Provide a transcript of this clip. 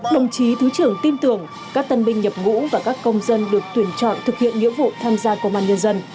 đồng chí thứ trưởng tin tưởng các tân binh nhập ngũ và các công dân được tuyển chọn thực hiện nghĩa vụ tham gia công an nhân dân